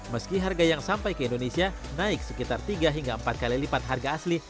meski harga yang sampai ke indonesia naik sekitar tiga hingga empat kali lipat harga asli